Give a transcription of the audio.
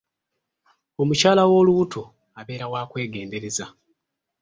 Omukyala w'olubuto abeera wa kwegendereza.